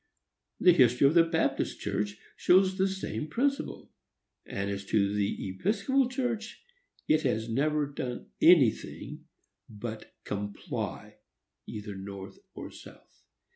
The history of the Baptist Church shows the same principle; and, as to the Episcopal Church, it has never done anything but comply, either North or South.